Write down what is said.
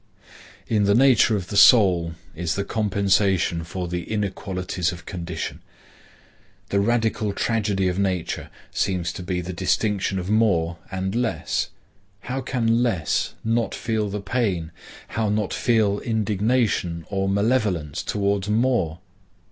In the nature of the soul is the compensation for the inequalities of condition. The radical tragedy of nature seems to be the distinction of More and Less. How can Less not feel the pain; how not feel indignation or malevolence towards More?